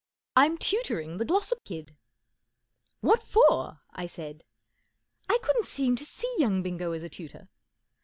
" Vm tutoring the Glossop kid. JJ 44 What for ? JJ I said. I couldn't seem to see young Bingo as a tutor.